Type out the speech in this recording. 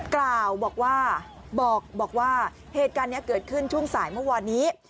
กล่าวบอกว่าเหตุการณ์นี้เกิดขึ้นช่วงสายเมื่อวานนี้